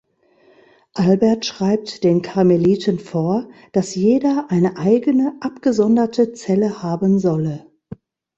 Albert schreibt den Karmeliten vor, dass jeder eine eigene, abgesonderte Zelle haben solle.